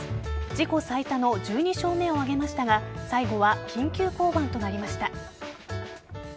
自己最多の１２勝目を挙げましたが最後は緊急降板となりました。